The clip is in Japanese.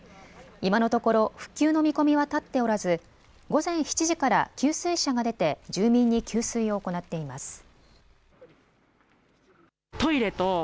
今のところ復旧の見込みは立っておらず午前７時から給水車が出て住民に給水を行っています。